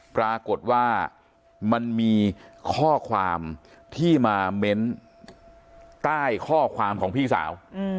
ปรากฏว่ามันมีข้อความที่มาเม้นใต้ข้อความของพี่สาว